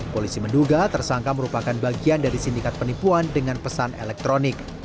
polisi menduga tersangka merupakan bagian dari sindikat penipuan dengan pesan elektronik